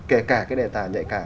kể cả cái đề tài nhạy cảm